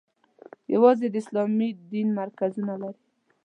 یوازې د اسلامي دین مرکزونه لري.